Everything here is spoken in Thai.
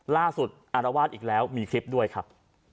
อารวาสอีกแล้วมีคลิปด้วยครับ